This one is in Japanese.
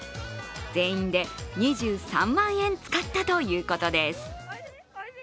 全員で２３万円使ったということです。